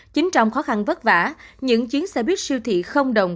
chính trong khó khăn vất vả những chuyến xe buýt siêu thị không đồng